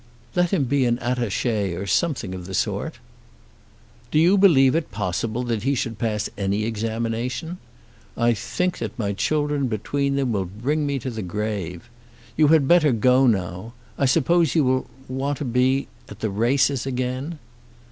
"Let him be an attaché, or something of that sort." "Do you believe it possible that he should pass any examination? I think that my children between them will bring me to the grave. You had better go now. I suppose you will want to be at the races again."